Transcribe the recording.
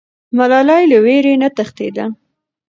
ملالۍ له ویرې نه تښتېده.